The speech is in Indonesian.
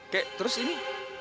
kek terus ini